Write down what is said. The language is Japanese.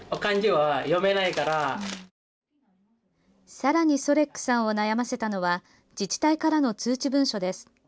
さらにソレックさんを悩ませたのは自治体からの通知文書です。